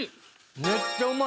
めっちゃうまい！